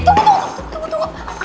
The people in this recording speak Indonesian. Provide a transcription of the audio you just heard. eh tunggu tunggu tunggu